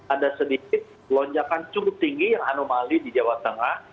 ada sedikit lonjakan cukup tinggi yang anomali di jawa tengah